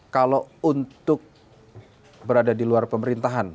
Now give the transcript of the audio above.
kalau untuk berada di luar pemerintahan